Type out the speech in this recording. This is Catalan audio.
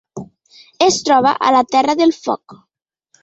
Es troba a la Terra del Foc.